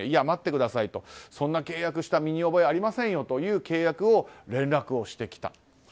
待ってください、そんな契約した耳覚えはありませんよという契約を連絡してきた。